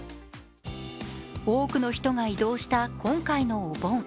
多くの人が移動した今回のお盆。